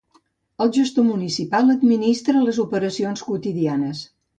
El gestor municipal administra les operacions quotidianes.